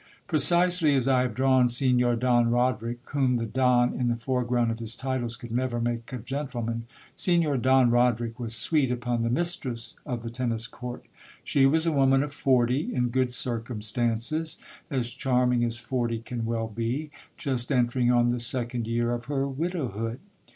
Precisely as I have drawn Signor Don Roderic, whom the Don in the foreground of his titles could never make a gentleman, Signor Don Roderic was sweet upon the mistress of the tennis court She was a woman of forty, in good circumstances, as charming as forty can well be, just entering on the second year of her widowhood.